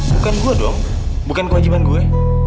bukan gue dong bukan kewajiban gue